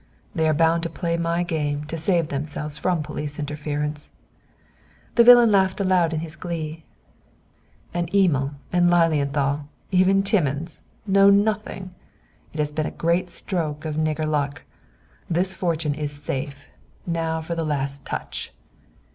They are bound to play my game to save themselves from police interference." The villain laughed aloud in his glee. "And Emil and Lilienthal, even Timmins, know nothing. It has been a great stroke of nigger luck. This fortune is safe. Now for the last touch."